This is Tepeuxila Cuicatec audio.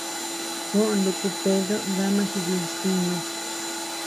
Juó nuku Pedro dama dijis ntiñu.